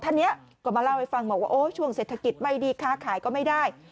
ท่านนี้ก็มาเล่าให้ฟังบอกว่าโอ้ช่วงเศรษฐกิจไม่ดีค้าขายก็ไม่ได้